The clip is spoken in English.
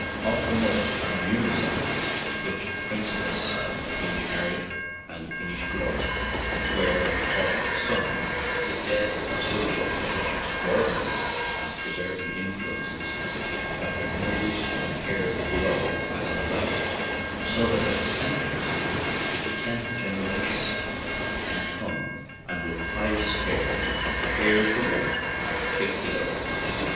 Off the Mullet are numer ous islands, of which the principal are Inishkeeragh and Inishglora, where, ac cording to some, the dead are subject to such extraordinary and preserving in fluences that their nails and hair grow as in life, "so that their descendants to the tenth generation can come and with pious care pare the one and clip the other.